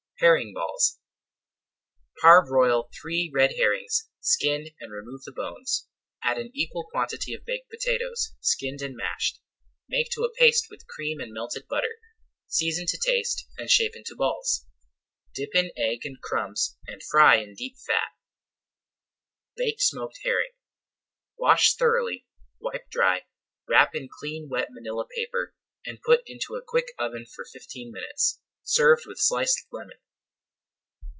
HERRING BALLS Parboil three red herrings, skin, and remove the bones. Add an equal quantity of baked potatoes, skinned and mashed. Make to a paste with cream and melted butter, season to [Page 203] taste, and shape into balls. Dip in egg and crumbs and fry in deep fat. BAKED SMOKED HERRING Wash thoroughly, wipe dry, wrap in clean wet manilla paper, and put into a quick oven for fifteen minutes. Served with sliced lemon.